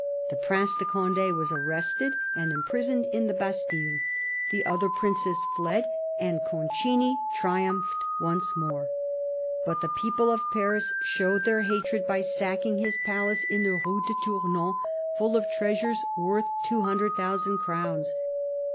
The Prince de Conde was arrested and imprisoned in the Bastille. The other princes fled, and Concini triumphed once more ; but the people of Paris showed their hatred by sacking his palace in the Rue de Tournon, full of treasures worth 200,000 crowns.